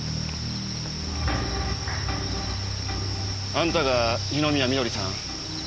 あんたが二宮緑さん？